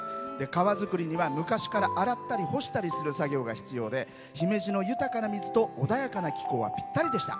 革づくりには昔から洗ったり干したりする作業が必要で、姫路の豊かな水や穏やかな気候はぴったりでした。